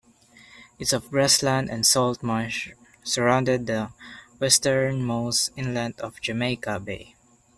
Its of grassland and salt marsh surround the westernmost inlet of Jamaica Bay.